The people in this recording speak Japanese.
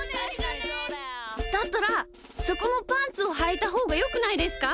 だったらそこもパンツをはいたほうがよくないですか？